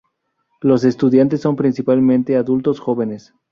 Los estudiantes son principalmente adultos jóvenes.